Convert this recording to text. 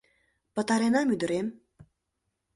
— Пытаренам, ӱдырем.